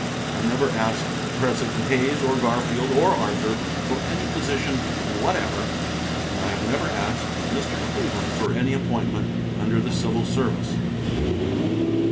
I never asked President Hayes or Garfield or Arthur for any position whatever, and I have never asked Mr. Cleveland for any appointment under the civil service.